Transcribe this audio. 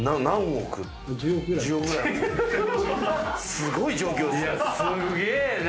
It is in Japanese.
すごい状況ですね。